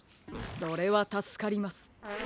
それはたすかります。